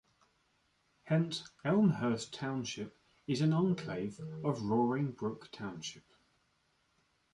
Hence, Elmhurst Township is an enclave of Roaring Brook Township.